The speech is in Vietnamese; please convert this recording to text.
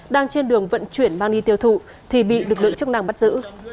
đang trên đường vận chuyển mang đi tiêu thụ thì bị lực lượng chức năng bắt giữ